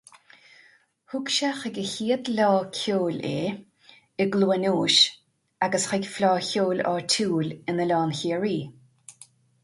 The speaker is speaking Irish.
Thug sé chuig a chéad fhleá cheoil é, i gCluain Eois agus chuig fleá cheoil áitiúil in Oileán Chiarraí.